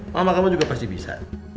mama kamu juga pasti bisa